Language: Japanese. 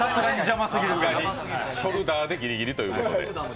ショルダーでギリギリということで。